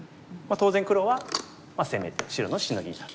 当然黒は攻めて白のシノギになると。